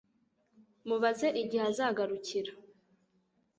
Mubaze igihe azagarukira